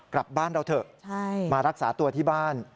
กลับบ้านเราเถอะมารักษาตัวที่บ้าน